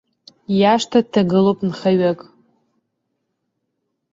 Иашҭа дҭагылоуп нхаҩык.